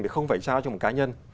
thì không phải trao cho một cá nhân